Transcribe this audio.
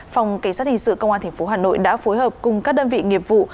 phòng cảnh sát hình sự công an tp hà nội đã phối hợp cùng các đơn vị nghiệp vụ